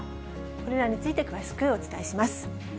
これらについて詳しくお伝えします。